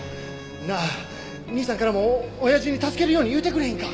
なあ兄さんからもおやじに助けるように言うてくれへんか？